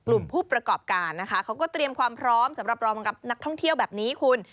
ผู้ประกอบการนะคะเขาก็เตรียมความพร้อมสำหรับรองกับนักท่องเที่ยวแบบนี้คุณ